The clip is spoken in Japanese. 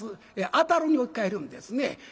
「当たる」に置き換えるんですね。